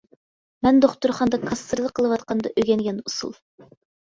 مەن دوختۇرخانىدا كاسسىرلىق قىلىۋاتقاندا ئۆگەنگەن ئۇسۇل.